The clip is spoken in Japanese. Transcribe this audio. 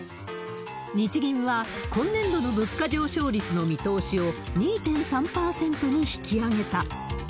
日銀は今年度の物価上昇率の見通しを２．３％に引き上げた。